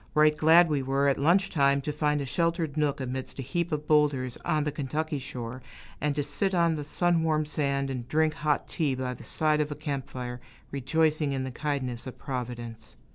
Right glad we were, at luncheon time, to find a sheltered nook amidst a heap of boulders on the Kentucky shore, and to sit on the sun warmed sand and drink hot tea by the side of a camp fire, rejoicing in the kindness of Providence.